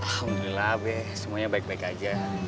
alhamdulillah be semuanya baik baik aja